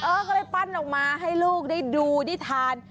ก็เลยปั้นออกมาให้ลูกได้ดูได้ทาน